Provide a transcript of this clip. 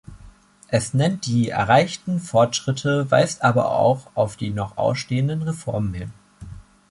Es nennt die erreichten Fortschritte, weist aber auch auf die noch ausstehenden Reformen hin.